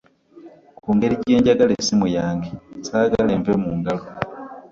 Kungeri gye njagala essimu yange sagaala enve mungalo .